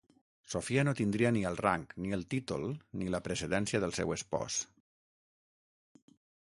Sofia no tindria ni el rang, ni el títol, ni la precedència del seu espòs.